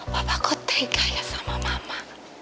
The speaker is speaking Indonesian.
papa kok tegak ya sama mama